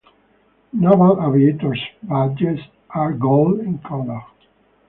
Naval Aviators' badges are gold in color.